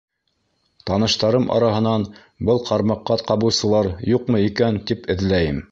Таныштарым араһынан был ҡармаҡҡа ҡабыусылар юҡмы икән, тип эҙләйем.